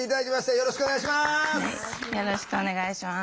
よろしくお願いします。